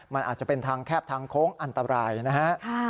มันอาจจะเป็นทางแคบทางโค้งอันตรายนะฮะ